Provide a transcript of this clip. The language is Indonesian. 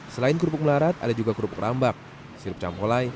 selain kerupuk melarat ada juga kerupuk rambak sirup campolai